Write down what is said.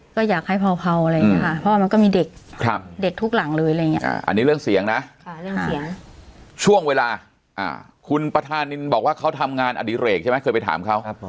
เพราะอยากให้เผาอะไรอย่างนี้ค่ะเพราะมันก็มีเด็ก